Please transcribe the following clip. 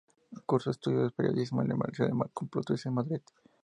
Cursó estudios de periodismo en la Universidad Complutense de Madrid.